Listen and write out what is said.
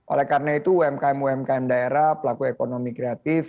oleh karena itu umkm umkm daerah pelaku ekonomi kreatif